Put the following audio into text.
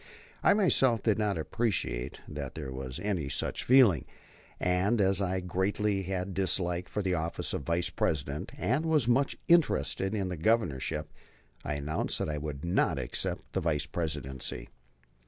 ] I myself did not appreciate that there was any such feeling, and as I greatly disliked the office of Vice President and was much interested in the Governorship, I announced that I would not accept the Vice Presidency.